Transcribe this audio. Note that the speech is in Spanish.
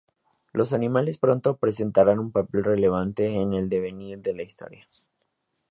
Los animales pronto presentarán un papel relevante en el devenir de la historia.